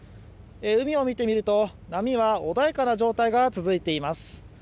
海を見てみると、波は穏やかな状態が続いています。